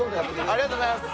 ありがとうございます。